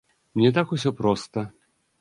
Не так усё проста.